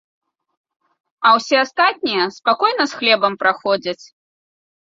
А ўсе астатнія спакойна з хлебам праходзяць.